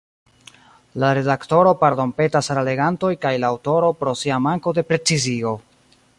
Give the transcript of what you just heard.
La redaktoro pardonpetas al la legantoj kaj la aŭtoro pro sia manko de precizigo.